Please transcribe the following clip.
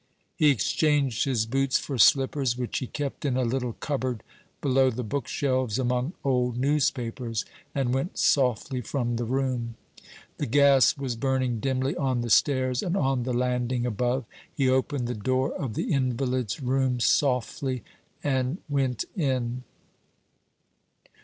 He exchanged his boots for slippers, which he kept in a little cupboard below the bookshelves, among old newspapers, and went softly from the room. The gas was burning dimly on the stairs and on the landing above. He opened the door of the invalid's room softly, and went in.